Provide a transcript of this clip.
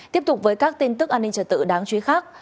tiếp tục với các tin tức an ninh trở tự đáng chú ý khác